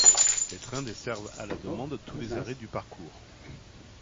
Les trains desservent à la demande tous les arrêts du parcours.